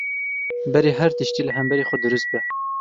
Berî her tiştî, li hemberî xwe dirust be.